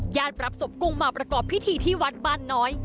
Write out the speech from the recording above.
รับศพกุ้งมาประกอบพิธีที่วัดบ้านน้อย